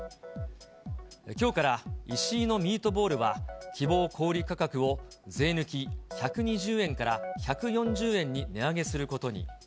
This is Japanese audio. きょうからイシイのミートボールは希望小売り価格を税抜き１２０円から１４０円に値上げすることに。